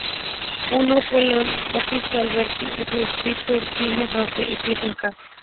Uno fue Leon Battista Alberti con su "Descriptio urbis Romae", escrito en ca.